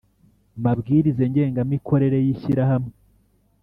mabwiriza ngengamikorere y Ishyirahamwe